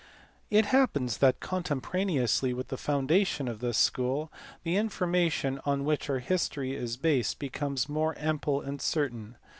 It happens that contemporaneously with the foundation of this school the information on which our history is based be comes more ample and certain.